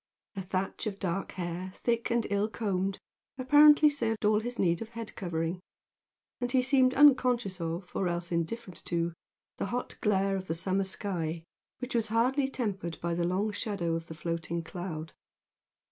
A thatch of dark hair, thick and ill combed, apparently served all his need of head covering, and he seemed unconscious of, or else indifferent to, the hot glare of the summer sky which was hardly tempered by the long shadow of the floating cloud.